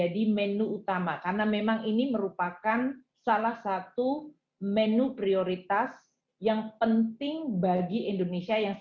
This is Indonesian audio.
di sini akan dibahas berbagai proses